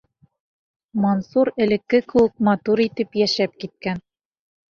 Мансур элекке кеүек матур итеп йәшәп киткән.